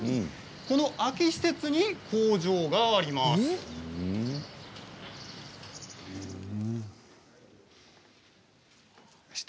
この空き施設に工場があります。